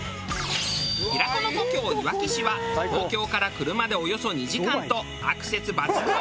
平子の故郷いわき市は東京から車でおよそ２時間とアクセス抜群！